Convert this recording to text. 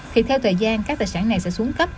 thì theo thời gian các tài sản này sẽ xuống cấp